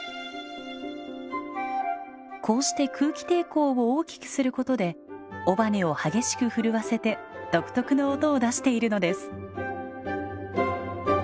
こうして空気抵抗を大きくすることで尾羽を激しく震わせて独特の音を出しているのです。